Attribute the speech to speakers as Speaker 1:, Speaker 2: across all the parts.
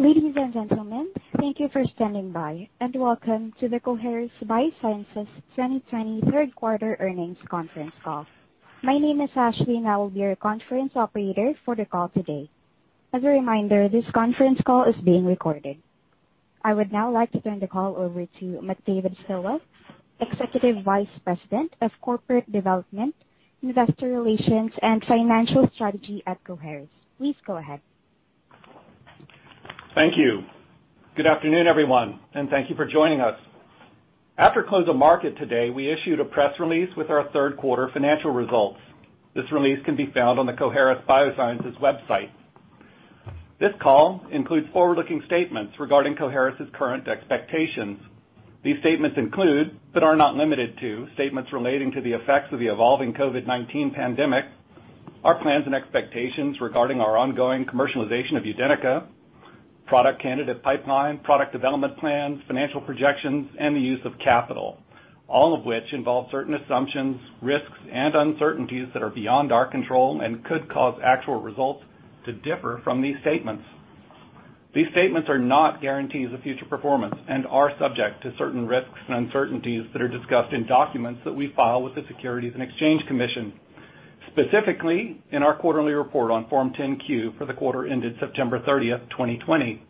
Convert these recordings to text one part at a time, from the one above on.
Speaker 1: Ladies and gentlemen, thank you for standing by, and welcome to the Coherus BioSciences 2020 third quarter earnings conference call. My name is Ashley, and I will be your conference operator for the call today. As a reminder, this conference call is being recorded. I would now like to turn the call over to McDavid Stilwell, Executive Vice President of Corporate Development, Investor Relations, and Financial Strategy at Coherus. Please go ahead.
Speaker 2: Thank you. Good afternoon, everyone, and thank you for joining us. After close of market today, we issued a press release with our third quarter financial results. This release can be found on the Coherus BioSciences website. This call includes forward-looking statements regarding Coherus's current expectations. These statements include, but are not limited to, statements relating to the effects of the evolving COVID-19 pandemic, our plans and expectations regarding our ongoing commercialization of UDENYCA, product candidate pipeline, product development plans, financial projections, and the use of capital, all of which involve certain assumptions, risks, and uncertainties that are beyond our control and could cause actual results to differ from these statements. These statements are not guarantees of future performance and are subject to certain risks and uncertainties that are discussed in documents that we file with the Securities and Exchange Commission, specifically in our quarterly report on Form 10-Q for the quarter ended September 30th, 2020.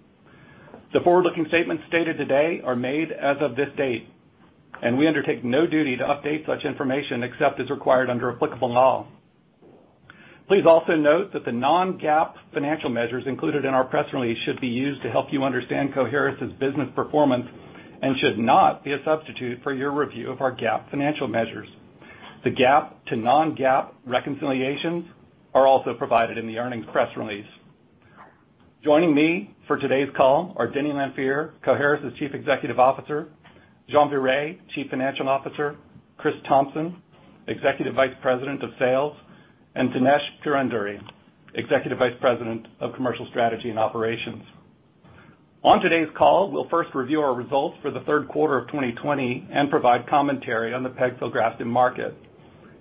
Speaker 2: The forward-looking statements stated today are made as of this date, and we undertake no duty to update such information except as required under applicable law. Please also note that the non-GAAP financial measures included in our press release should be used to help you understand Coherus's business performance and should not be a substitute for your review of our GAAP financial measures. The GAAP to non-GAAP reconciliations are also provided in the earnings press release. Joining me for today's call are Denny Lanfear, Coherus's Chief Executive Officer, Jean-Frédéric Viret, Chief Financial Officer, Chris Thompson, Executive Vice President of Sales, and Dinesh Purandare, Executive Vice President of Commercial Strategy and Operations. On today's call, we'll first review our results for the third quarter of 2020 and provide commentary on the pegfilgrastim market.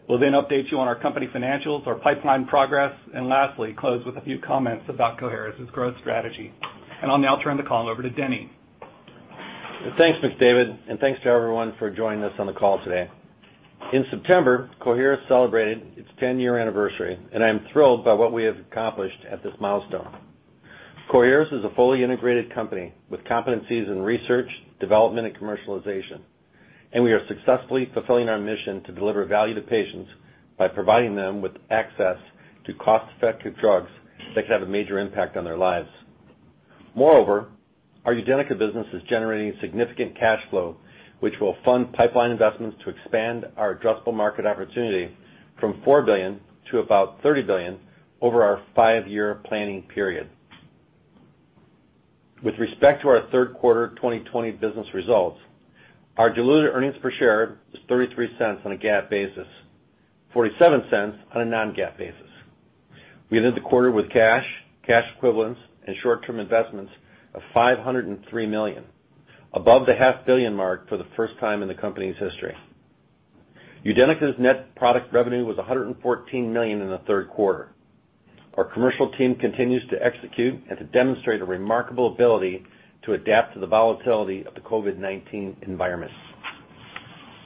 Speaker 2: We'll then update you on our company financials, our pipeline progress, and lastly, close with a few comments about Coherus's growth strategy. I'll now turn the call over to Denny.
Speaker 3: Thanks, McDavid. Thanks to everyone for joining us on the call today. In September, Coherus celebrated its 10-year anniversary. I am thrilled by what we have accomplished at this milestone. Coherus is a fully integrated company with competencies in research, development, and commercialization. We are successfully fulfilling our mission to deliver value to patients by providing them with access to cost-effective drugs that can have a major impact on their lives. Moreover, our UDENYCA business is generating significant cash flow, which will fund pipeline investments to expand our addressable market opportunity from $4 billion to about $30 billion over our five-year planning period. With respect to our third quarter 2020 business results, our diluted earnings per share was $0.33 on a GAAP basis, $0.47 on a non-GAAP basis. We ended the quarter with cash equivalents, and short-term investments of $503 million, above the half billion mark for the first time in the company's history. UDENYCA's net product revenue was $114 million in the third quarter. Our commercial team continues to execute and to demonstrate a remarkable ability to adapt to the volatility of the COVID-19 environment.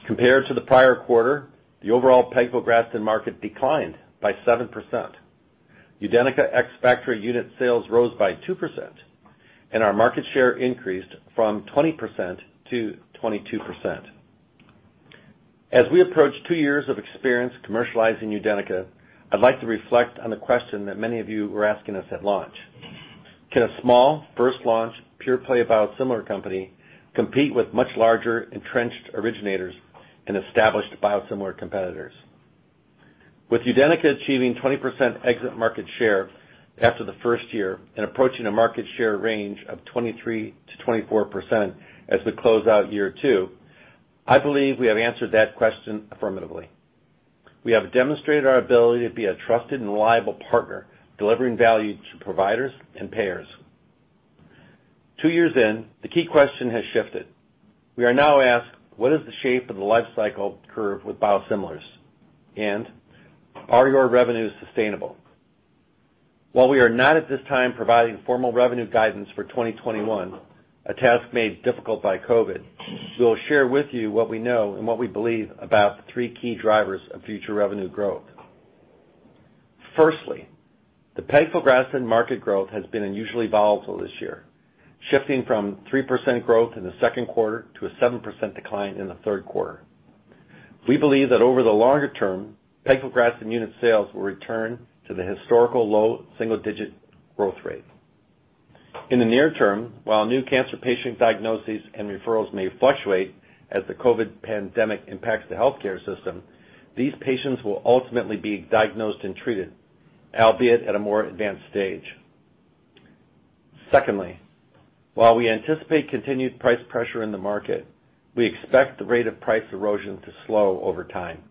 Speaker 3: Compared to the prior quarter, the overall pegfilgrastim market declined by 7%. UDENYCA ex-factory unit sales rose by 2%, and our market share increased from 20%-22%. As we approach two years of experience commercializing UDENYCA, I'd like to reflect on the question that many of you were asking us at launch. Can a small, first-launch, pure-play biosimilar company compete with much larger, entrenched originators and established biosimilar competitors? With UDENYCA achieving 20% exit market share after the first year and approaching a market share range of 23%-24% as we close out year two, I believe we have answered that question affirmatively. We have demonstrated our ability to be a trusted and reliable partner, delivering value to providers and payers. Two years in, the key question has shifted. We are now asked, "What is the shape of the life cycle curve with biosimilars?" "Are your revenues sustainable?" While we are not at this time providing formal revenue guidance for 2021, a task made difficult by COVID, we'll share with you what we know and what we believe about the three key drivers of future revenue growth. Firstly, the pegfilgrastim market growth has been unusually volatile this year, shifting from 3% growth in the second quarter to a 7% decline in the third quarter. We believe that over the longer term, pegfilgrastim unit sales will return to the historical low single-digit growth rate. In the near term, while new cancer patient diagnoses and referrals may fluctuate as the COVID pandemic impacts the healthcare system, these patients will ultimately be diagnosed and treated, albeit at a more advanced stage. Secondly, while we anticipate continued price pressure in the market, we expect the rate of price erosion to slow over time.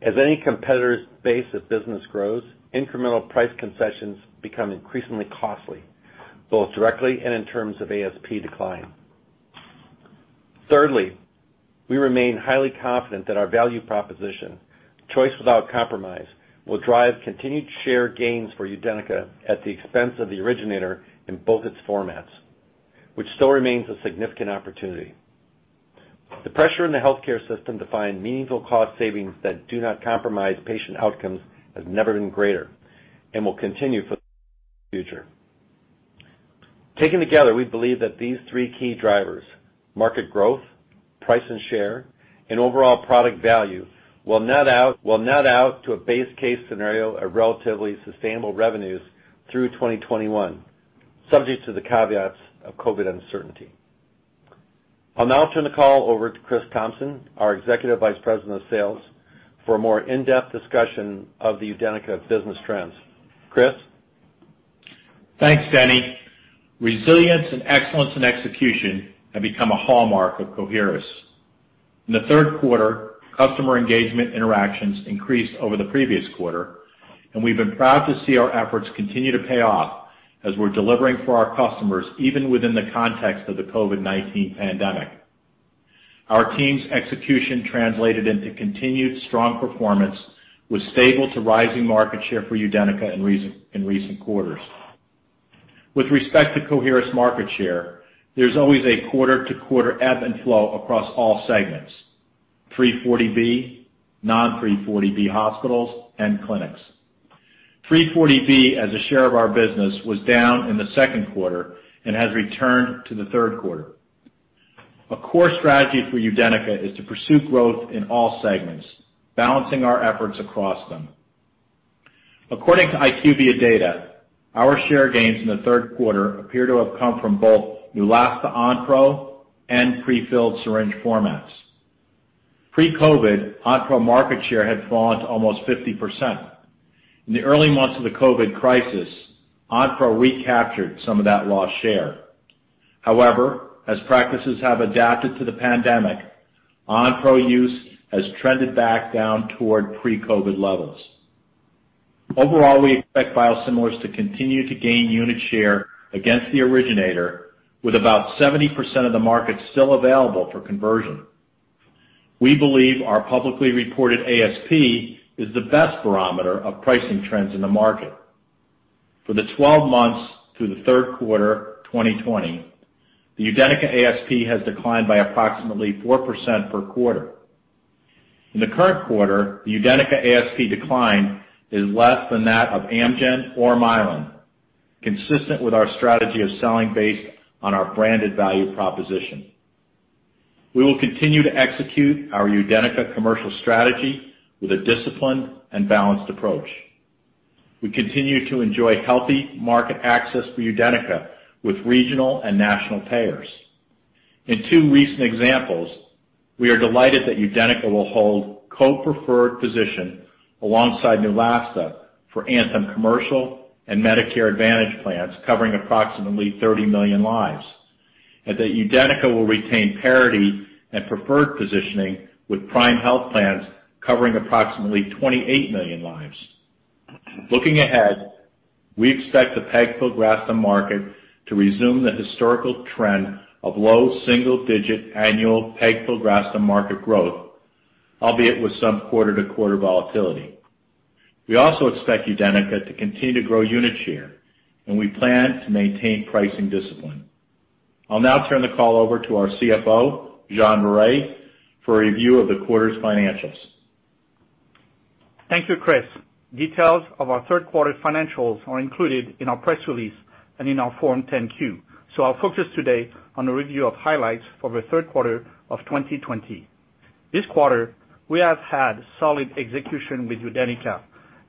Speaker 3: As any competitor's base of business grows, incremental price concessions become increasingly costly, both directly and in terms of ASP decline. Thirdly, we remain highly confident that our value proposition, "choice without compromise," will drive continued share gains for UDENYCA at the expense of the originator in both its formats, which still remains a significant opportunity. The pressure in the healthcare system to find meaningful cost savings that do not compromise patient outcomes has never been greater and will continue for the future. Taken together, we believe that these three key drivers, market growth, price and share, and overall product value, will net out to a base case scenario of relatively sustainable revenues through 2021, subject to the caveats of COVID uncertainty. I'll now turn the call over to Chris Thompson, our Executive Vice President of Sales, for a more in-depth discussion of the UDENYCA business trends. Chris?
Speaker 4: Thanks, Denny. Resilience and excellence in execution have become a hallmark of Coherus. In the third quarter, customer engagement interactions increased over the previous quarter, and we've been proud to see our efforts continue to pay off as we're delivering for our customers, even within the context of the COVID-19 pandemic. Our team's execution translated into continued strong performance with stable to rising market share for UDENYCA in recent quarters. With respect to Coherus market share, there's always a quarter-to-quarter ebb and flow across all segments: 340B, non-340B hospitals, and clinics. 340B as a share of our business was down in the second quarter and has returned to the third quarter. A core strategy for UDENYCA is to pursue growth in all segments, balancing our efforts across them. According to IQVIA data, our share gains in the third quarter appear to have come from both Neulasta Onpro and pre-filled syringe formats. Pre-COVID, Onpro market share had fallen to almost 50%. In the early months of the COVID crisis, Onpro recaptured some of that lost share. However, as practices have adapted to the pandemic, Onpro use has trended back down toward pre-COVID levels. Overall, we expect biosimilars to continue to gain unit share against the originator, with about 70% of the market still available for conversion. We believe our publicly reported ASP is the best barometer of pricing trends in the market. For the 12 months through the third quarter 2020, the UDENYCA ASP has declined by approximately 4% per quarter. In the current quarter, the UDENYCA ASP decline is less than that of Amgen or Mylan, consistent with our strategy of selling based on our branded value proposition. We will continue to execute our UDENYCA commercial strategy with a disciplined and balanced approach. We continue to enjoy healthy market access for UDENYCA with regional and national payers. In two recent examples, we are delighted that UDENYCA will hold co-preferred position alongside Neulasta for Anthem Commercial and Medicare Advantage plans covering approximately 30 million lives, and that UDENYCA will retain parity and preferred positioning with Prime Healthcare plans covering approximately 28 million lives. Looking ahead, we expect the pegfilgrastim market to resume the historical trend of low single-digit annual pegfilgrastim market growth, albeit with some quarter-to-quarter volatility. We also expect UDENYCA to continue to grow unit share, and we plan to maintain pricing discipline. I'll now turn the call over to our CFO, Jean-Frédéric Viret, for a review of the quarter's financials.
Speaker 5: Thank you, Chris. Details of our third quarter financials are included in our press release and in our Form 10-Q. I'll focus today on a review of highlights for the third quarter of 2020. This quarter, we have had solid execution with UDENYCA,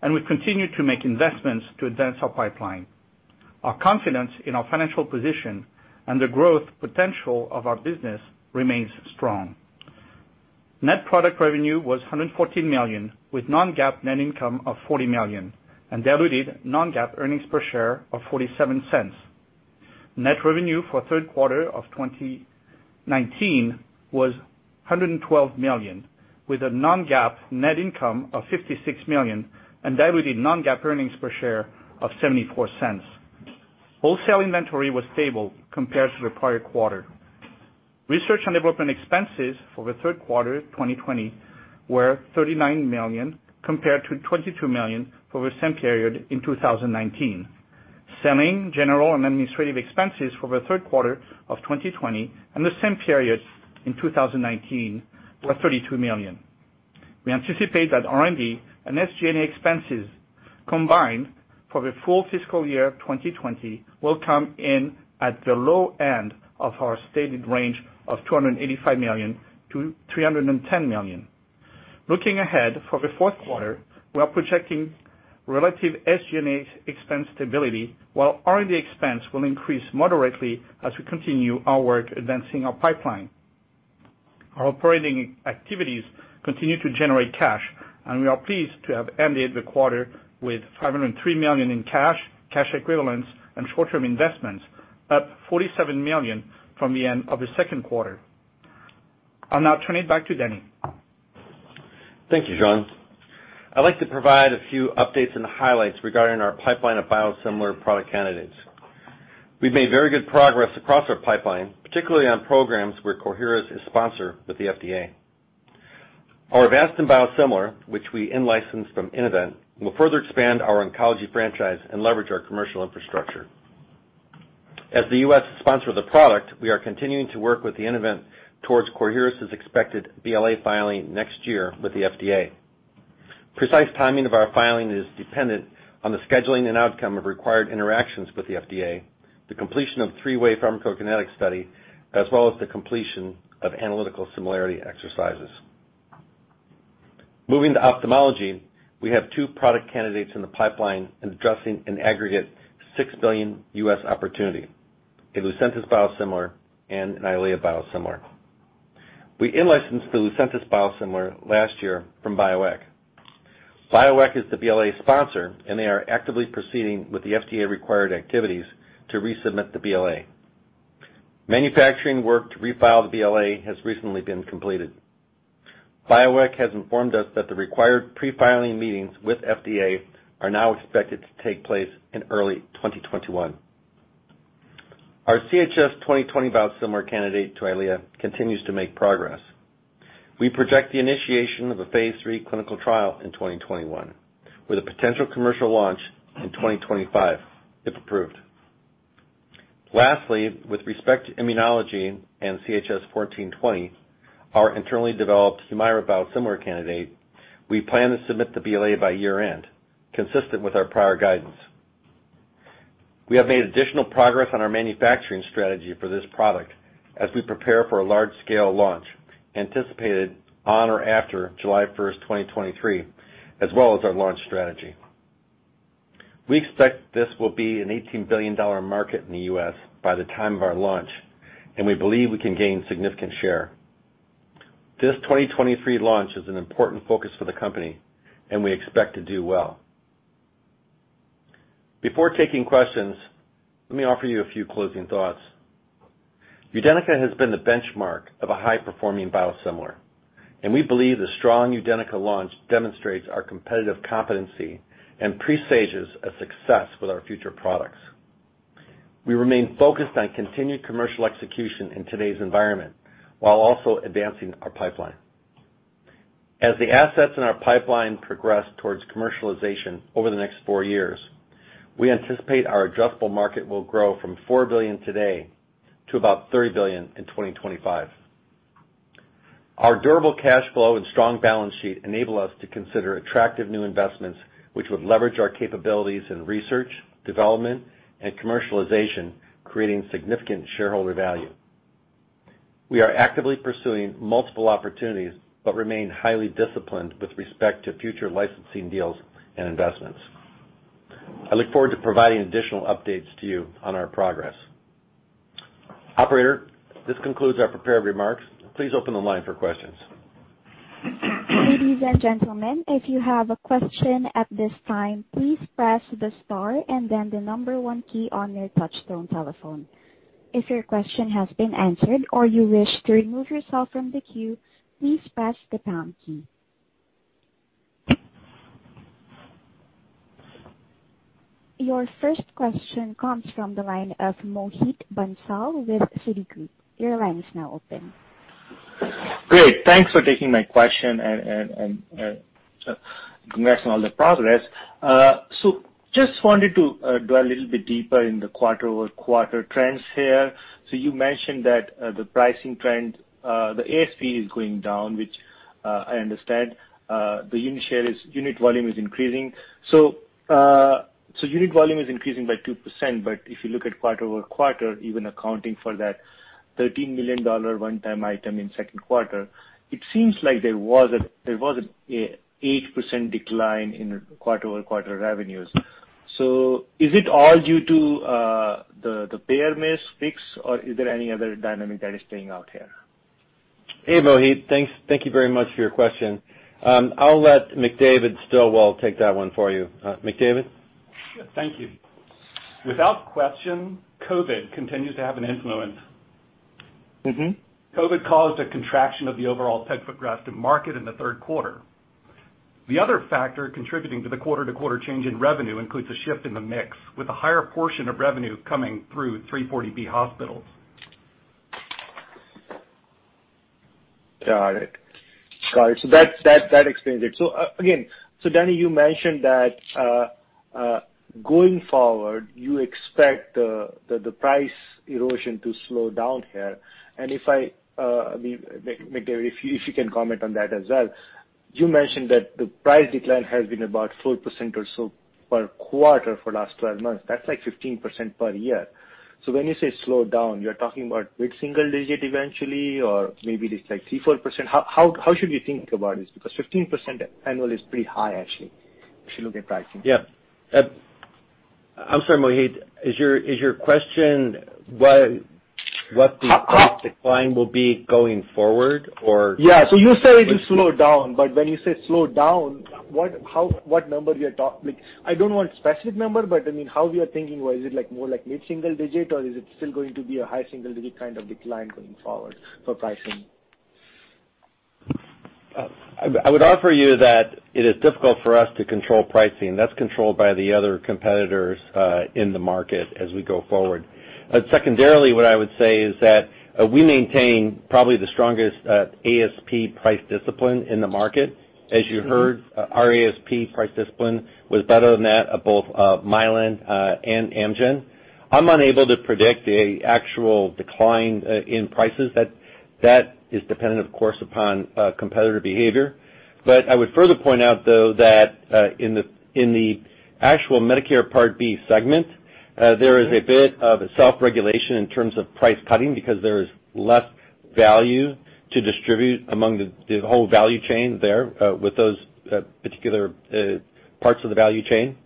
Speaker 5: and we've continued to make investments to advance our pipeline. Our confidence in our financial position and the growth potential of our business remains strong. Net product revenue was $114 million, with non-GAAP net income of $40 million and diluted non-GAAP earnings per share of $0.47. Net revenue for third quarter of 2019 was $112 million, with a non-GAAP net income of $56 million and diluted non-GAAP earnings per share of $0.74. Wholesale inventory was stable compared to the prior quarter. Research and development expenses for the third quarter 2020 were $39 million, compared to $22 million for the same period in 2019. Selling, general, and administrative expenses for the third quarter of 2020 and the same period in 2019 were $32 million. We anticipate that R&D and SG&A expenses combined for the full fiscal year 2020 will come in at the low end of our stated range of $285 million-$310 million. Looking ahead, for the fourth quarter, we are projecting relative SG&A expense stability while R&D expense will increase moderately as we continue our work advancing our pipeline. Our operating activities continue to generate cash, and we are pleased to have ended the quarter with $503 million in cash equivalents, and short-term investments, up $47 million from the end of the second quarter. I'll now turn it back to Denny.
Speaker 3: Thank you, Jean. I'd like to provide a few updates and highlights regarding our pipeline of biosimilar product candidates. We've made very good progress across our pipeline, particularly on programs where Coherus is sponsor with the FDA. Our Avastin biosimilar, which we in-licensed from Innovent Biologics, will further expand our oncology franchise and leverage our commercial infrastructure. As the U.S. sponsor of the product, we are continuing to work with the Innovent Biologics towards Coherus's expected BLA filing next year with the FDA. Precise timing of our filing is dependent on the scheduling and outcome of required interactions with the FDA, the completion of three-way pharmacokinetic study, as well as the completion of analytical similarity exercises. Moving to ophthalmology, we have two product candidates in the pipeline addressing an aggregate $6 billion U.S. opportunity, a Lucentis biosimilar and an EYLEA biosimilar. We in-licensed the Lucentis biosimilar last year from Bioeq. Bioeq is the BLA sponsor. They are actively proceeding with the FDA-required activities to resubmit the BLA. Manufacturing work to refile the BLA has recently been completed. Bioeq has informed us that the required pre-filing meetings with FDA are now expected to take place in early 2021. Our CHS-2020 biosimilar candidate to EYLEA continues to make progress. We project the initiation of a phase III clinical trial in 2021, with a potential commercial launch in 2025, if approved. Lastly, with respect to immunology and CHS-1420, our internally developed Humira biosimilar candidate, we plan to submit the BLA by year end, consistent with our prior guidance. We have made additional progress on our manufacturing strategy for this product as we prepare for a large-scale launch anticipated on or after July 1st, 2023, as well as our launch strategy. We expect this will be an $18 billion market in the U.S. by the time of our launch, and we believe we can gain significant share. This 2023 launch is an important focus for the company, and we expect to do well. Before taking questions, let me offer you a few closing thoughts. UDENYCA has been the benchmark of a high-performing biosimilar, and we believe the strong UDENYCA launch demonstrates our competitive competency and presages a success with our future products. We remain focused on continued commercial execution in today's environment while also advancing our pipeline. As the assets in our pipeline progress towards commercialization over the next four years, we anticipate our addressable market will grow from $4 billion today to about $30 billion in 2025. Our durable cash flow and strong balance sheet enable us to consider attractive new investments, which would leverage our capabilities in research, development, and commercialization, creating significant shareholder value. We are actively pursuing multiple opportunities but remain highly disciplined with respect to future licensing deals and investments. I look forward to providing additional updates to you on our progress. Operator, this concludes our prepared remarks. Please open the line for questions.
Speaker 1: Ladies and gentlemen, if you have a question at this time, please press the star and then the number one key on your touchtone telephone. If your question has been answered or you wish to remove yourself from the queue, please press the pound key. Your first question comes from the line of Mohit Bansal with Citigroup. Your line is now open.
Speaker 6: Great. Thanks for taking my question and congrats on all the progress. Just wanted to dwell a little bit deeper in the quarter-over-quarter trends here. You mentioned that the pricing trend, the ASP is going down, which I understand. The unit volume is increasing. Unit volume is increasing by 2%, but if you look at quarter-over-quarter, even accounting for that $13 million one-time item in second quarter, it seems like there was an 8% decline in quarter-over-quarter revenues. Is it all due to the payer mix fix, or is there any other dynamic that is playing out here?
Speaker 3: Hey, Mohit. Thank you very much for your question. I'll let McDavid Stilwell take that one for you. McDavid?
Speaker 2: Sure. Thank you. Without question, COVID continues to have an influence. COVID caused a contraction of the overall pegfilgrastim market in the third quarter. The other factor contributing to the quarter-to-quarter change in revenue includes a shift in the mix, with a higher portion of revenue coming through 340B hospitals.
Speaker 6: Got it. That explains it. Again, Denny, you mentioned that going forward, you expect the price erosion to slow down here, and McDavid, if you can comment on that as well. You mentioned that the price decline has been about 4% or so per quarter for the last 12 months. That's like 15% per year. When you say slow down, you're talking about mid-single digit eventually, or maybe it is like 3%, 4%? How should we think about this? 15% annual is pretty high, actually, if you look at pricing.
Speaker 3: Yeah. I'm sorry, Mohit, is your question what the-
Speaker 6: How-
Speaker 3: price decline will be going forward or
Speaker 6: Yeah. You said it will slow down, when you say slow down, what number you are talk I don't want specific number, how you are thinking, is it more like mid-single digit, or is it still going to be a high single-digit kind of decline going forward for pricing?
Speaker 3: I would offer you that it is difficult for us to control pricing. That's controlled by the other competitors in the market as we go forward. Secondarily, what I would say is that we maintain probably the strongest ASP price discipline in the market. As you heard, our ASP price discipline was better than that of both Mylan and Amgen. I'm unable to predict an actual decline in prices. That is dependent, of course, upon competitor behavior. I would further point out, though, that in the actual Medicare Part B segment, there is a bit of self-regulation in terms of price cutting because there is less value to distribute among the whole value chain there with those particular parts of the value chain.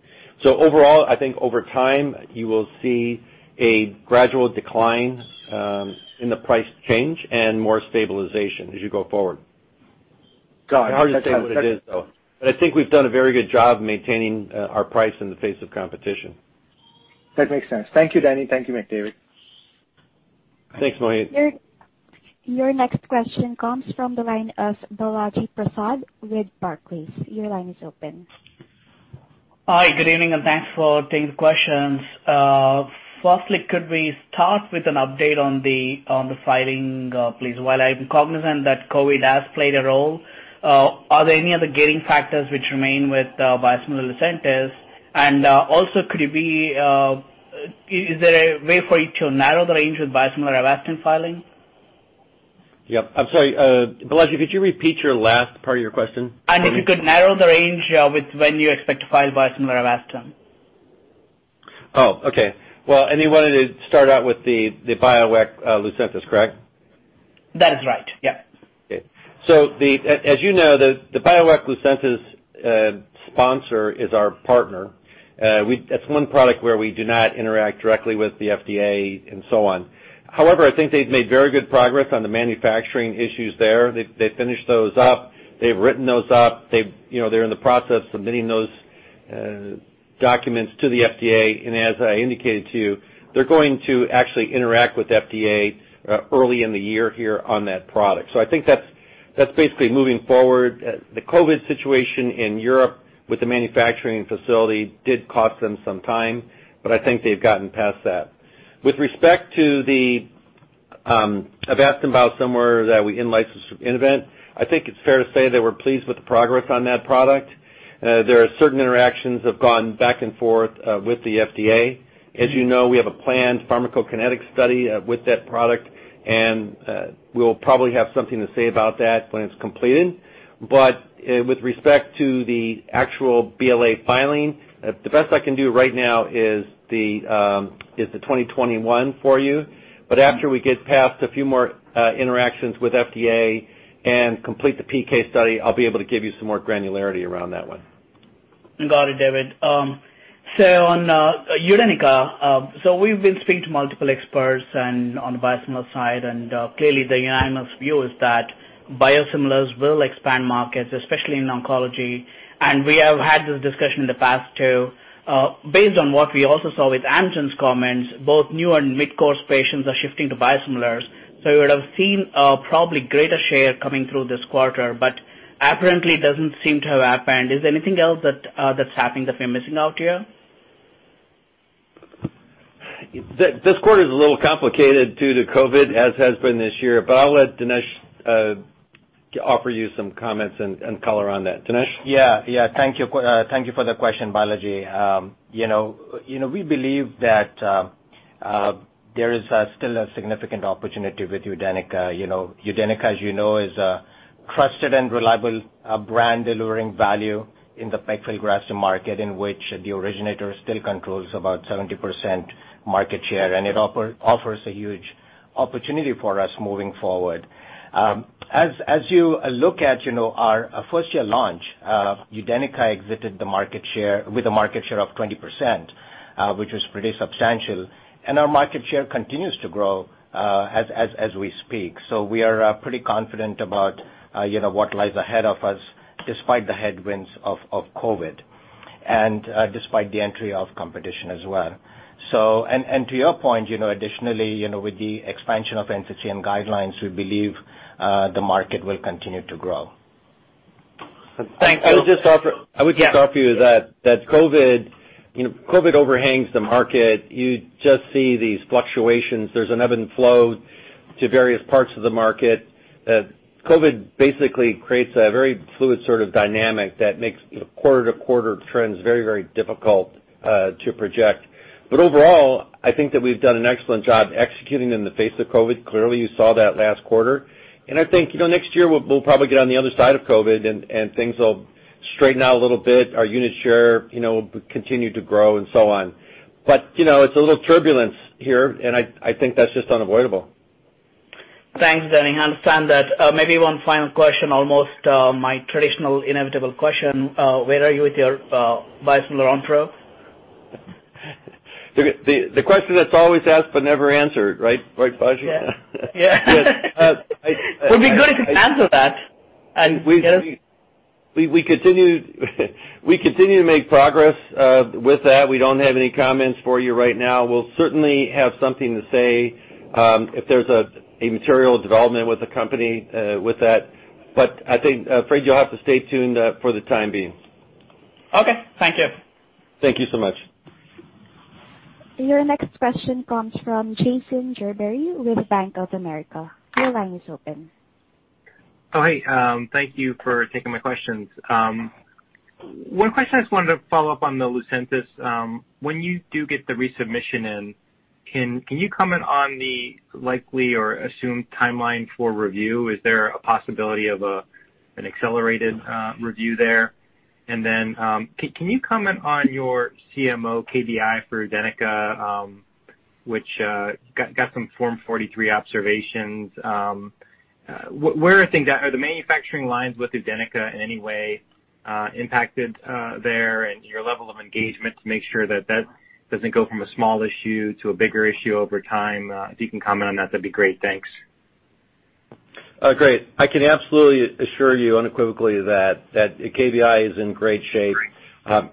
Speaker 3: Overall, I think over time, you will see a gradual decline in the price change and more stabilization as you go forward.
Speaker 6: Got it.
Speaker 3: It's hard to say what it is, though. I think we've done a very good job maintaining our price in the face of competition.
Speaker 6: That makes sense. Thank you, Denny. Thank you, McDavid.
Speaker 3: Thanks, Mohit.
Speaker 1: Your next question comes from the line of Balaji Prasad with Barclays.
Speaker 7: Hi, good evening, thanks for taking the questions. Firstly, could we start with an update on the filing, please? While I'm cognizant that COVID has played a role, are there any other gating factors which remain with biosimilar Lucentis? Also, is there a way for you to narrow the range with biosimilar Avastin filing?
Speaker 3: Yep. I'm sorry, Balaji, could you repeat your last part of your question?
Speaker 7: If you could narrow the range of when you expect to file biosimilar Avastin.
Speaker 3: Oh, okay. Well, you wanted to start out with the Bioeq Lucentis, correct?
Speaker 7: That is right. Yeah.
Speaker 3: As you know, the Bioeq Lucentis sponsor is our partner. That's one product where we do not interact directly with the FDA and so on. I think they've made very good progress on the manufacturing issues there. They've finished those up. They've written those up. They're in the process of submitting those documents to the FDA. As I indicated to you, they're going to actually interact with FDA early in the year here on that product. I think that's basically moving forward. The COVID situation in Europe with the manufacturing facility did cost them some time, I think they've gotten past that. With respect to the Avastin biosimilar that we in-licensed from Innovent Biologics, I think it's fair to say that we're pleased with the progress on that product. There are certain interactions have gone back and forth with the FDA. As you know, we have a planned pharmacokinetic study with that product, and we'll probably have something to say about that when it's completed. With respect to the actual BLA filing, the best I can do right now is the 2021 for you. After we get past a few more interactions with FDA and complete the PK study, I'll be able to give you some more granularity around that one.
Speaker 7: Got it, David. On UDENYCA, we've been speaking to multiple experts on the biosimilar side, clearly the unanimous view is that biosimilars will expand markets, especially in oncology. We have had this discussion in the past too. Based on what we also saw with Amgen's comments, both new and mid-course patients are shifting to biosimilars. We would have seen probably greater share coming through this quarter, but apparently it doesn't seem to have happened. Is there anything else that's happening that we're missing out here?
Speaker 3: This quarter is a little complicated due to COVID, as has been this year, but I'll let Dinesh offer you some comments and color on that. Dinesh?
Speaker 8: Thank you for the question, Balaji. We believe that there is still a significant opportunity with UDENYCA. UDENYCA, as you know, is a trusted and reliable brand delivering value in the pegfilgrastim market in which the originator still controls about 70% market share. It offers a huge opportunity for us moving forward. As you look at our first-year launch, UDENYCA exited with a market share of 20%, which was pretty substantial. Our market share continues to grow as we speak. We are pretty confident about what lies ahead of us, despite the headwinds of COVID and despite the entry of competition as well. To your point, additionally, with the expansion of NCCN Guidelines, we believe the market will continue to grow.
Speaker 7: Thank you.
Speaker 3: I would just offer you that COVID overhangs the market. You just see these fluctuations. There's an ebb and flow to various parts of the market. COVID basically creates a very fluid sort of dynamic that makes quarter-to-quarter trends very, very difficult to project. Overall, I think that we've done an excellent job executing in the face of COVID. Clearly, you saw that last quarter. I think, next year, we'll probably get on the other side of COVID and things will straighten out a little bit. Our unit share will continue to grow and so on. It's a little turbulence here, and I think that's just unavoidable.
Speaker 7: Thanks, Denny. I understand that. Maybe one final question, almost my traditional inevitable question. Where are you with your biosimilar Onpro?
Speaker 3: The question that's always asked but never answered, right, Balaji?
Speaker 7: Yeah.
Speaker 3: Yes.
Speaker 7: It would be good to answer that.
Speaker 3: We continue to make progress with that. We don't have any comments for you right now. We'll certainly have something to say if there's a material development with the company with that, but I think, afraid you'll have to stay tuned for the time being.
Speaker 7: Okay. Thank you.
Speaker 3: Thank you so much.
Speaker 1: Your next question comes from Jason Gerberry with Bank of America. Your line is open.
Speaker 9: Hey. Thank you for taking my questions. One question I just wanted to follow up on the Lucentis. When you do get the resubmission in, can you comment on the likely or assumed timeline for review? Is there a possibility of an accelerated review there? Can you comment on your CMO KBI BioPharma for UDENYCA, which got some Form 483 observations. Where are things at? Are the manufacturing lines with UDENYCA in any way impacted there and your level of engagement to make sure that that doesn't go from a small issue to a bigger issue over time? If you can comment on that'd be great. Thanks.
Speaker 3: Great. I can absolutely assure you unequivocally that KBI BioPharma is in great shape.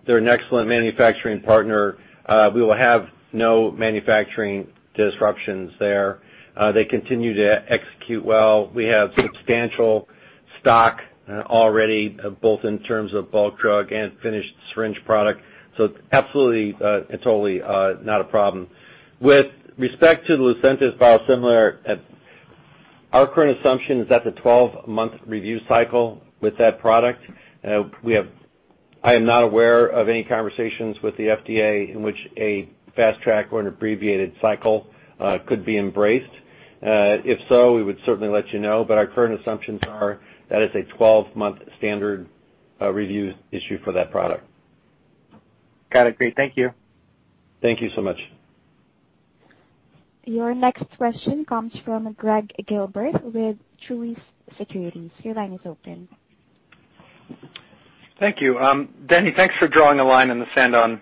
Speaker 3: They're an excellent manufacturing partner. We will have no manufacturing disruptions there. They continue to execute well. We have substantial stock already, both in terms of bulk drug and finished syringe product. Absolutely, totally not a problem. With respect to the Lucentis biosimilar, our current assumption is that's a 12-month review cycle with that product. I am not aware of any conversations with the FDA in which a fast track or an abbreviated cycle could be embraced. If so, we would certainly let you know, our current assumptions are that it's a 12-month standard review issue for that product.
Speaker 9: Got it. Great. Thank you.
Speaker 3: Thank you so much.
Speaker 1: Your next question comes from Gregg Gilbert with Truist Securities. Your line is open.
Speaker 10: Thank you. Denny, thanks for drawing a line in the sand on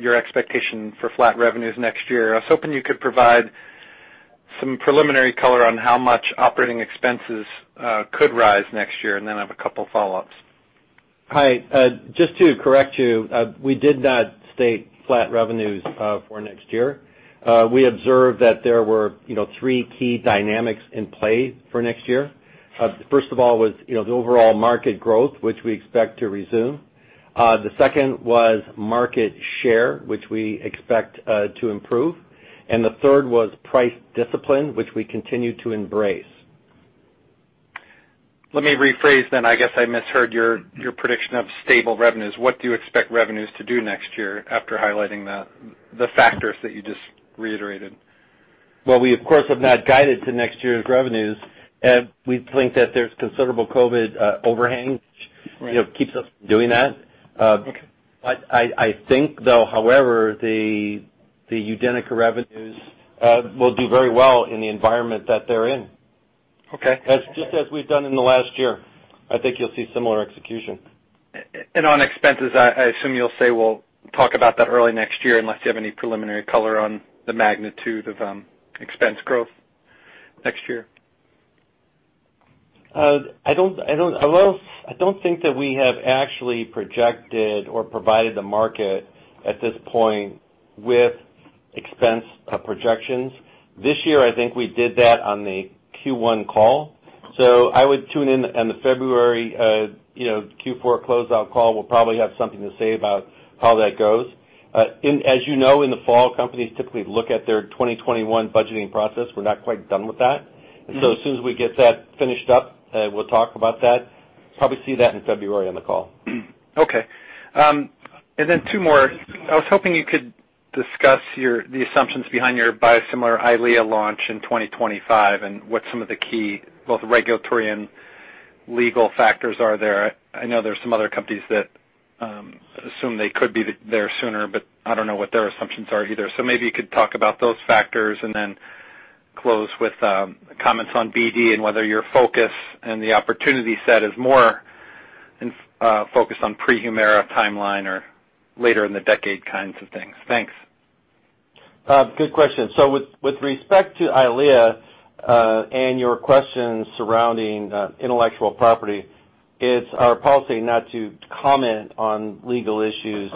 Speaker 10: your expectation for flat revenues next year. I was hoping you could provide some preliminary color on how much operating expenses could rise next year, and then I have a couple of follow-ups.
Speaker 3: Hi. Just to correct you, we did not state flat revenues for next year. We observed that there were three key dynamics in play for next year. First of all was the overall market growth, which we expect to resume. The second was market share, which we expect to improve, and the third was price discipline, which we continue to embrace.
Speaker 10: Let me rephrase. I guess I misheard your prediction of stable revenues. What do you expect revenues to do next year after highlighting the factors that you just reiterated?
Speaker 3: Well, we, of course, have not guided to next year's revenues. We think that there's considerable COVID overhang, which keeps us from doing that.
Speaker 10: Okay.
Speaker 3: I think, though, however, the UDENYCA revenues will do very well in the environment that they're in.
Speaker 10: Okay.
Speaker 3: Just as we've done in the last year. I think you'll see similar execution.
Speaker 10: On expenses, I assume you'll say we'll talk about that early next year, unless you have any preliminary color on the magnitude of expense growth next year.
Speaker 3: I don't think that we have actually projected or provided the market at this point with expense projections. This year, I think we did that on the Q1 call. I would tune in on the February Q4 closeout call. We'll probably have something to say about how that goes. As you know, in the fall, companies typically look at their 2021 budgeting process. We're not quite done with that. As soon as we get that finished up, we'll talk about that. Probably see that in February on the call.
Speaker 10: Okay. Then two more. I was hoping you could discuss the assumptions behind your biosimilar EYLEA launch in 2025 and what some of the key, both regulatory and legal factors are there. I know there's some other companies that assume they could be there sooner, but I don't know what their assumptions are either. Maybe you could talk about those factors and then close with comments on BD and whether your focus and the opportunity set is more focused on pre-Humira timeline or later in the decade kinds of things. Thanks.
Speaker 3: Good question. With respect to EYLEA, and your questions surrounding intellectual property, it's our policy not to comment on legal issues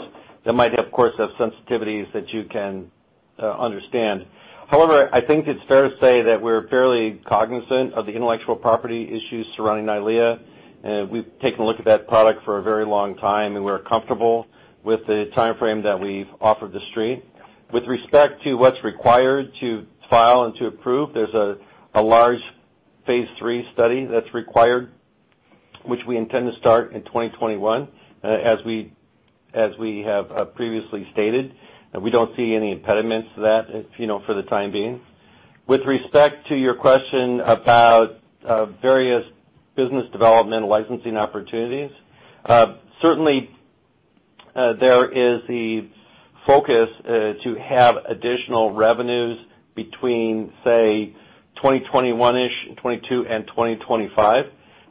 Speaker 3: that might, of course, have sensitivities that you can understand. However, I think it's fair to say that we're fairly cognizant of the intellectual property issues surrounding EYLEA. We've taken a look at that product for a very long time, and we're comfortable with the timeframe that we've offered the street. With respect to what's required to file and to approve, there's a large phase III study that's required, which we intend to start in 2021, as we have previously stated. We don't see any impediments to that for the time being. With respect to your question about various business development licensing opportunities, certainly there is the focus to have additional revenues between, say, 2021-ish, 2022, and 2025.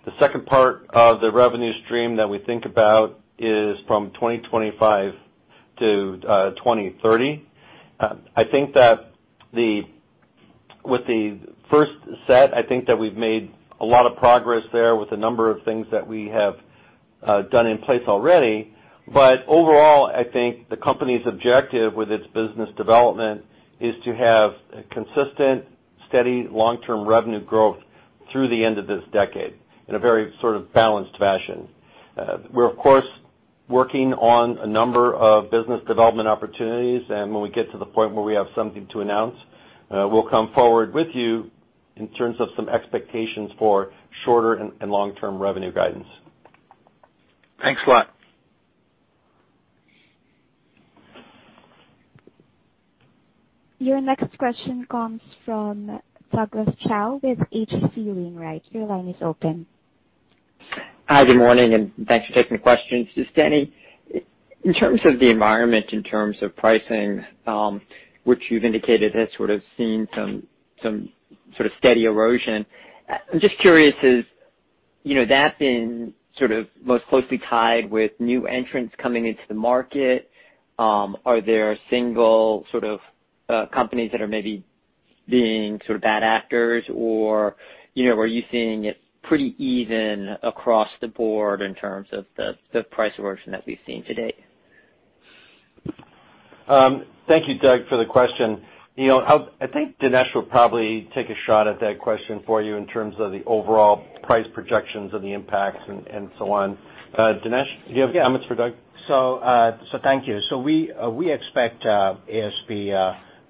Speaker 3: The second part of the revenue stream that we think about is from 2025 to 2030. I think that with the first set, I think that we've made a lot of progress there with a number of things that we have done in place already. Overall, I think the company's objective with its business development is to have a consistent, steady long-term revenue growth through the end of this decade in a very sort of balanced fashion. We're, of course, working on a number of business development opportunities, when we get to the point where we have something to announce, we'll come forward with you in terms of some expectations for shorter and long-term revenue guidance.
Speaker 10: Thanks a lot.
Speaker 1: Your next question comes from Douglas Tsao with H.C. Wainwright. Your line is open.
Speaker 11: Hi, good morning. Thanks for taking the question. Denny, in terms of the environment, in terms of pricing, which you've indicated has sort of seen some sort of steady erosion. I'm just curious, has that been sort of most closely tied with new entrants coming into the market? Are there single sort of companies that are maybe being sort of bad actors? Are you seeing it pretty even across the board in terms of the price erosion that we've seen to date?
Speaker 3: Thank you, Doug, for the question. I think Dinesh will probably take a shot at that question for you in terms of the overall price projections and the impacts and so on. Dinesh, do you have comments for Doug?
Speaker 8: Thank you. We expect ASP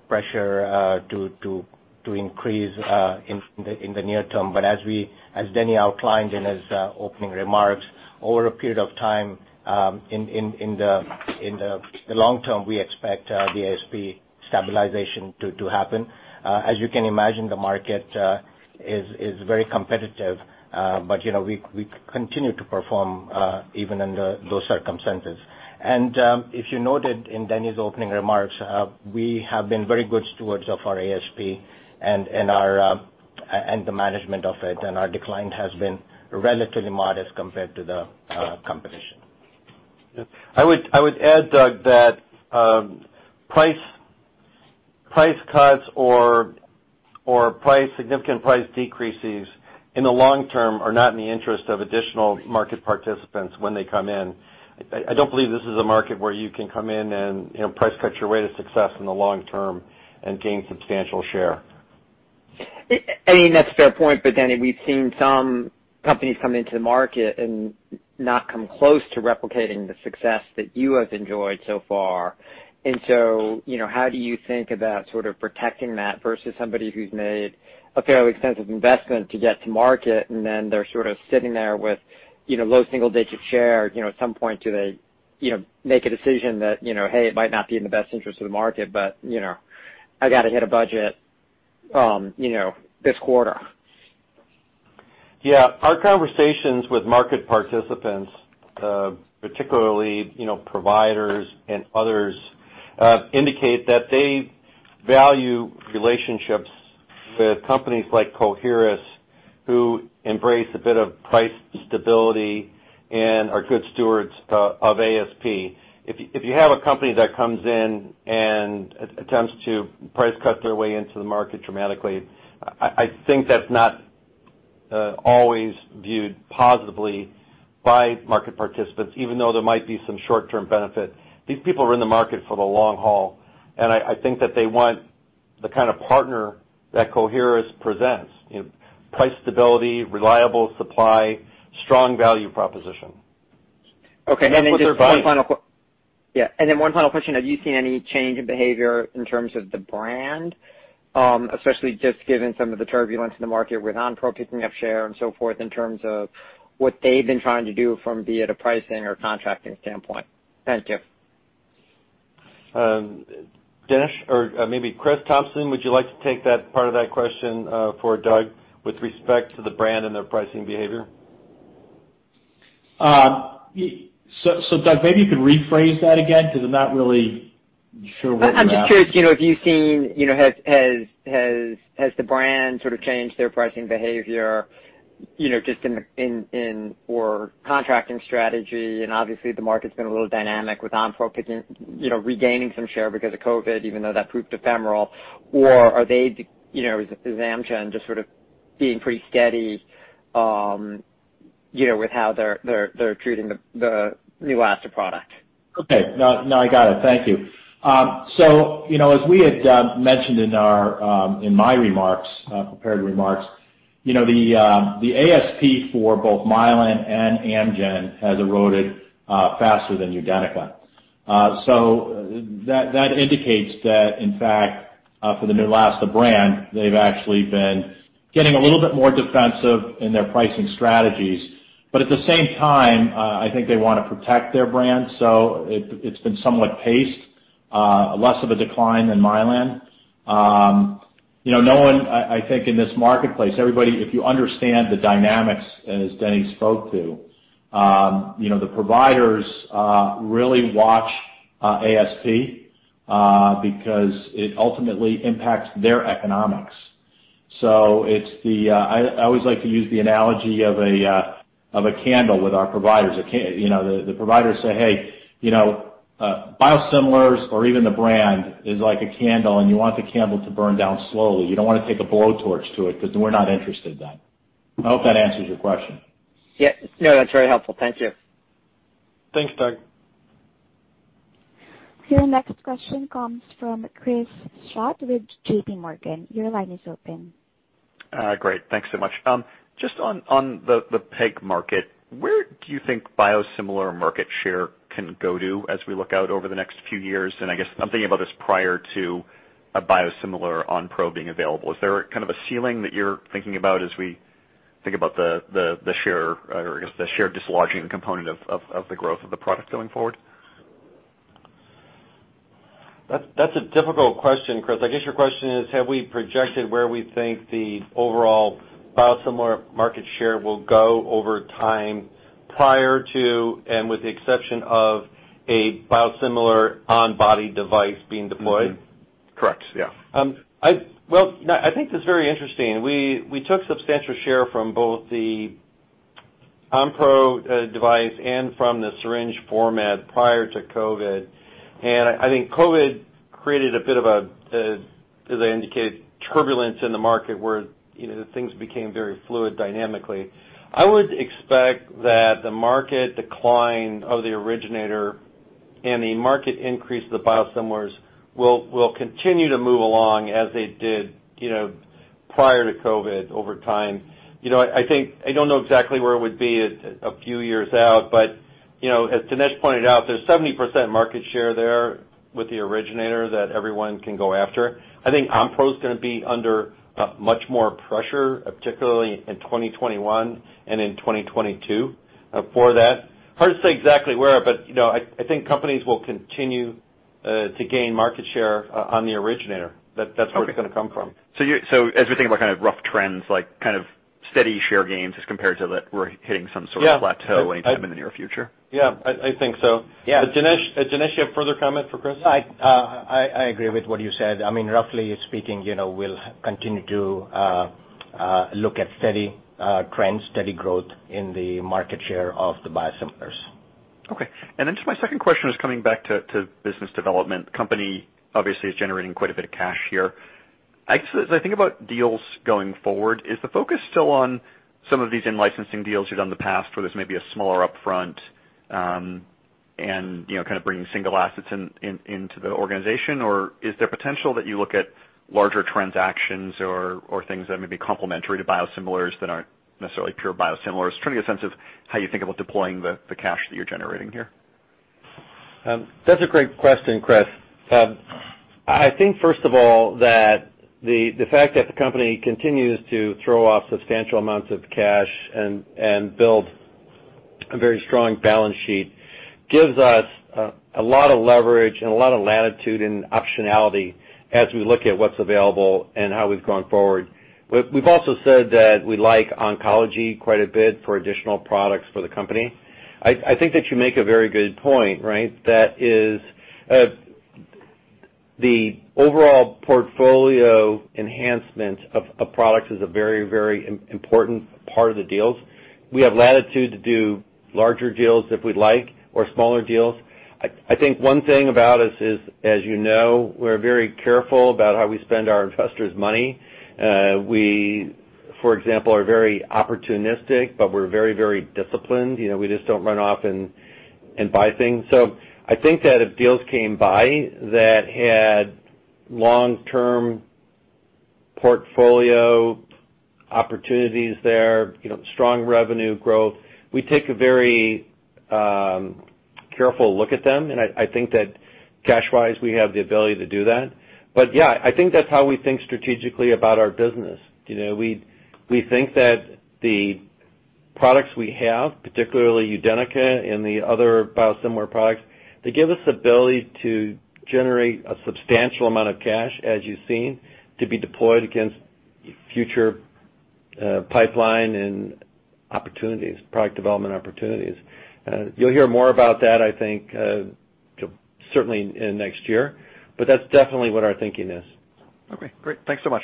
Speaker 8: pressure to increase in the near term. As Denny outlined in his opening remarks, over a period of time in the long term, we expect the ASP stabilization to happen. As you can imagine, the market is very competitive, but we continue to perform even under those circumstances. If you noted in Denny's opening remarks, we have been very good stewards of our ASP and the management of it, and our decline has been relatively modest compared to the competition.
Speaker 3: I would add, Doug, that price cuts or significant price decreases in the long term are not in the interest of additional market participants when they come in. I don't believe this is a market where you can come in and price cut your way to success in the long term and gain substantial share.
Speaker 11: I mean, that's a fair point, but Denny, we've seen some companies come into the market and not come close to replicating the success that you have enjoyed so far. How do you think about sort of protecting that versus somebody who's made a fairly extensive investment to get to market and then they're sort of sitting there with low single-digit share. At some point, do they make a decision that "Hey, it might not be in the best interest of the market, but I got to hit a budget this quarter"?
Speaker 3: Yeah. Our conversations with market participants, particularly providers and others, indicate that they value relationships with companies like Coherus, who embrace a bit of price stability and are good stewards of ASP. If you have a company that comes in and attempts to price cut their way into the market dramatically, I think that's not always viewed positively by market participants, even though there might be some short-term benefit. These people are in the market for the long haul, and I think that they want the kind of partner that Coherus presents: price stability, reliable supply, strong value proposition.
Speaker 11: Okay. One final question. Have you seen any change in behavior in terms of the brand? Especially just given some of the turbulence in the market with Onpro picking up share and so forth in terms of what they've been trying to do from be it a pricing or contracting standpoint. Thank you.
Speaker 3: Dinesh or maybe Chris Thompson, would you like to take that part of that question for Doug with respect to the brand and their pricing behavior?
Speaker 8: Doug, maybe you could rephrase that again, because I'm not really sure what you're asking.
Speaker 11: I'm just curious, have you seen, has the brand sort of changed their pricing behavior just in, or contracting strategy? Obviously the market's been a little dynamic with Onpro regaining some share because of COVID, even though that proved ephemeral. Are they, is Amgen just sort of being pretty steady with how they're treating the Neulasta product?
Speaker 4: Okay. No, I got it. Thank you. As we had mentioned in my remarks, prepared remarks, the ASP for both Mylan and Amgen has eroded faster than UDENYCA. That indicates that, in fact, for the Neulasta brand, they've actually been getting a little bit more defensive in their pricing strategies. At the same time, I think they want to protect their brand, so it's been somewhat paced, less of a decline than Mylan. No one, I think, in this marketplace, everybody, if you understand the dynamics as Denny spoke to, the providers really watch ASP because it ultimately impacts their economics. I always like to use the analogy of a candle with our providers. The providers say, "Hey, biosimilars or even the brand is like a candle, and you want the candle to burn down slowly. You don't want to take a blowtorch to it, because then we're not interested then." I hope that answers your question.
Speaker 11: Yeah. No, that's very helpful. Thank you.
Speaker 3: Thanks, Doug.
Speaker 1: Your next question comes from Chris Schott with JPMorgan. Your line is open.
Speaker 12: Great. Thanks so much. Just on the peg market, where do you think biosimilar market share can go to as we look out over the next few years? I guess I'm thinking about this prior to a biosimilar Onpro being available. Is there a ceiling that you're thinking about as we think about the share dislodging component of the growth of the product going forward?
Speaker 3: That's a difficult question, Chris. I guess your question is, have we projected where we think the overall biosimilar market share will go over time prior to, and with the exception of, a biosimilar on body device being deployed?
Speaker 12: Mm-hmm. Correct. Yeah.
Speaker 3: Well, I think that's very interesting. We took substantial share from both the Onpro device and from the syringe format prior to COVID. I think COVID created a bit of a, as I indicated, turbulence in the market where things became very fluid dynamically. I would expect that the market decline of the originator and the market increase of the biosimilars will continue to move along as they did prior to COVID over time. I don't know exactly where it would be a few years out, but as Dinesh pointed out, there's 70% market share there with the originator that everyone can go after. I think Onpro's going to be under much more pressure, particularly in 2021 and in 2022 for that. Hard to say exactly where, but I think companies will continue to gain market share on the originator. That's where it's going to come from.
Speaker 12: As we think about rough trends, like steady share gains as compared to we're hitting some sort of plateau.
Speaker 3: Yeah
Speaker 12: anytime in the near future?
Speaker 3: Yeah, I think so.
Speaker 12: Yeah.
Speaker 3: Dinesh, you have a further comment for Chris?
Speaker 8: I agree with what you said. Roughly speaking, we'll continue to look at steady trends, steady growth in the market share of the biosimilars.
Speaker 12: Okay. Just my second question is coming back to business development. Company obviously is generating quite a bit of cash here. As I think about deals going forward, is the focus still on some of these in-licensing deals you've done in the past where there's maybe a smaller upfront, and bringing single assets into the organization, or is there potential that you look at larger transactions or things that may be complementary to biosimilars that aren't necessarily pure biosimilars? Just trying to get a sense of how you think about deploying the cash that you're generating here.
Speaker 3: That's a great question, Chris. I think, first of all, that the fact that the company continues to throw off substantial amounts of cash and build a very strong balance sheet gives us a lot of leverage and a lot of latitude and optionality as we look at what's available and how we've gone forward. We've also said that we like oncology quite a bit for additional products for the company. I think that you make a very good point. That is, the overall portfolio enhancement of products is a very important part of the deals. We have latitude to do larger deals if we'd like, or smaller deals. I think one thing about us is, as you know, we're very careful about how we spend our investors' money. We, for example, are very opportunistic, but we're very disciplined. We just don't run off and buy things. I think that if deals came by that had long-term portfolio opportunities there, strong revenue growth, we take a very careful look at them, and I think that cash-wise, we have the ability to do that. Yeah, I think that's how we think strategically about our business. We think that the products we have, particularly UDENYCA and the other biosimilar products, they give us ability to generate a substantial amount of cash, as you've seen, to be deployed against future pipeline and product development opportunities. You'll hear more about that, I think, certainly in next year, but that's definitely what our thinking is.
Speaker 12: Okay, great. Thanks so much.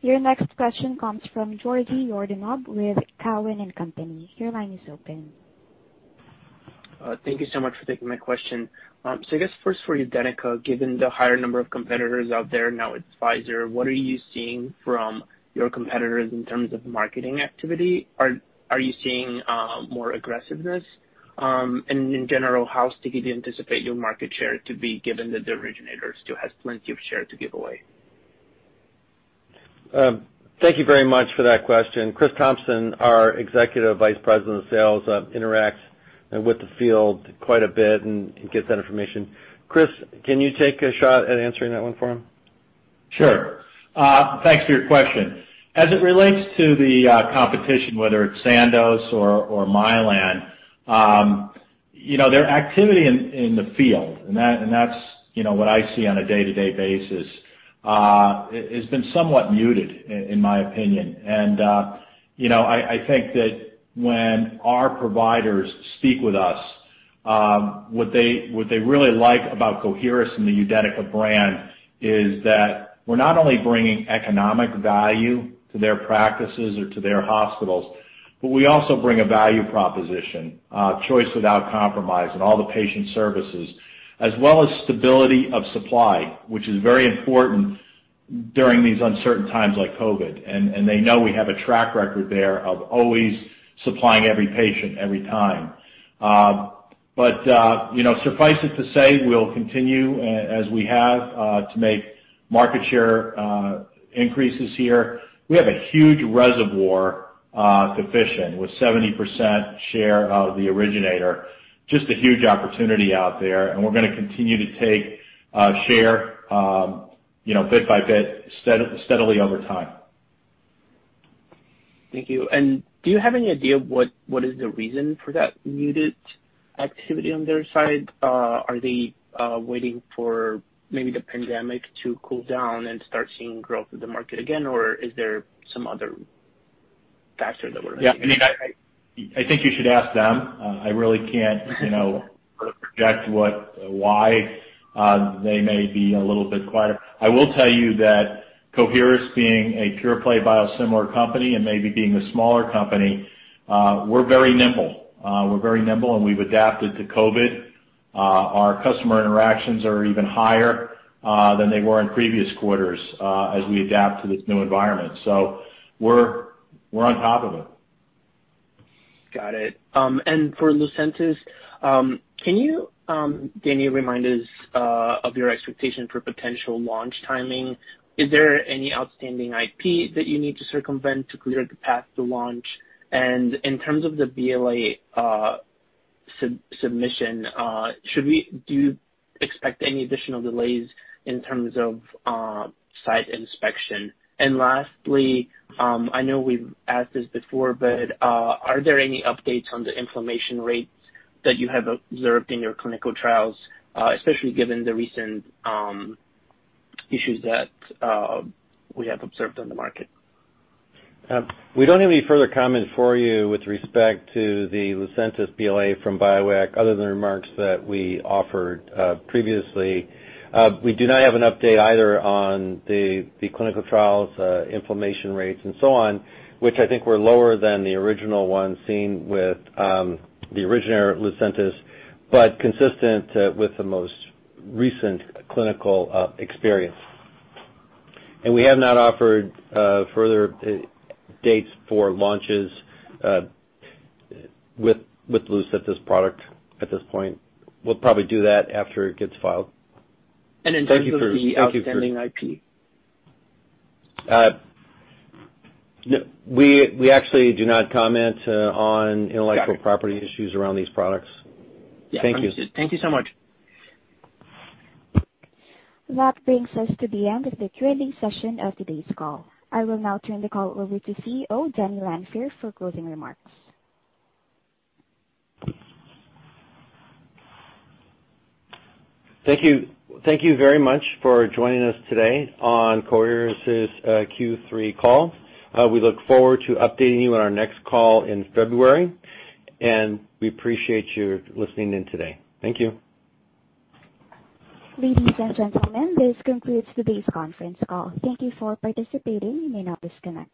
Speaker 1: Your next question comes from Georgi Yordanov with Cowen and Company. Your line is open.
Speaker 13: Thank you so much for taking my question. I guess first for UDENYCA, given the higher number of competitors out there now with Pfizer, what are you seeing from your competitors in terms of marketing activity? Are you seeing more aggressiveness? In general, how sticky do you anticipate your market share to be given that the originator still has plenty of share to give away?
Speaker 3: Thank you very much for that question. Chris Thompson, our Executive Vice President of Sales, interacts with the field quite a bit and gets that information. Chris, can you take a shot at answering that one for him?
Speaker 4: Sure. Thanks for your question. As it relates to the competition, whether it's Sandoz or Mylan, their activity in the field, and that's what I see on a day-to-day basis, has been somewhat muted in my opinion. I think that when our providers speak with us. What they really like about Coherus and the UDENYCA brand is that we're not only bringing economic value to their practices or to their hospitals, but we also bring a value proposition, choice without compromise in all the patient services, as well as stability of supply, which is very important during these uncertain times like COVID. They know we have a track record there of always supplying every patient, every time. Suffice it to say, we'll continue as we have to make market share increases here. We have a huge reservoir to fish in, with 70% share of the originator. Just a huge opportunity out there, and we're going to continue to take share bit by bit steadily over time.
Speaker 13: Thank you. Do you have any idea what is the reason for that muted activity on their side? Are they waiting for maybe the pandemic to cool down and start seeing growth of the market again, or is there some other factor that we're missing?
Speaker 4: Yeah, I think you should ask them. I really can't project why they may be a little bit quieter. I will tell you that Coherus being a pure play biosimilar company and maybe being a smaller company, we're very nimble. We're very nimble, and we've adapted to COVID. Our customer interactions are even higher than they were in previous quarters as we adapt to this new environment. We're on top of it.
Speaker 13: Got it. For Lucentis, can you remind us of your expectation for potential launch timing? Is there any outstanding IP that you need to circumvent to clear the path to launch? In terms of the BLA submission, do you expect any additional delays in terms of site inspection? Lastly, I know we've asked this before, but are there any updates on the inflammation rates that you have observed in your clinical trials, especially given the recent issues that we have observed on the market?
Speaker 3: We don't have any further comment for you with respect to the Lucentis BLA from Bioeq, other than remarks that we offered previously. We do not have an update either on the clinical trials, inflammation rates and so on, which I think were lower than the original ones seen with the originator Lucentis, but consistent with the most recent clinical experience. We have not offered further dates for launches with Lucentis product at this point. We'll probably do that after it gets filed.
Speaker 13: In terms of the outstanding IP?
Speaker 3: We actually do not comment on intellectual property issues around these products. Thank you.
Speaker 13: Yeah. Understood. Thank you so much.
Speaker 1: That brings us to the end of the Q&A session of today's call. I will now turn the call over to CEO, Denny Lanfear, for closing remarks.
Speaker 3: Thank you very much for joining us today on Coherus's Q3 call. We look forward to updating you on our next call in February, and we appreciate you listening in today. Thank you.
Speaker 1: Ladies and gentlemen, this concludes today's conference call. Thank you for participating. You may now disconnect.